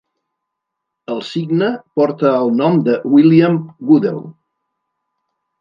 El signe porta el nom de William Goodell.